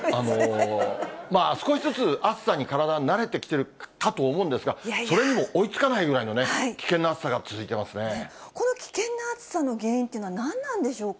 まあ、少しずつ暑さに体、慣れてきてるかと思うんですが、それでも追いつかないぐらいのね、この危険な暑さの原因というのは、何なんでしょうか。